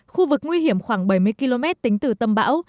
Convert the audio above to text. khu vực nguy hiểm khoảng bảy mươi km tính từ tâm bão